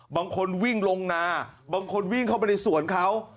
บางคนวิ่งลงนาบางคนวิ่งเข้าไปในสวนเขา